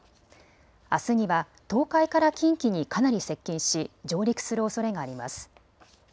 あすには東海から近畿にかなり接近し上陸するおそれがあります。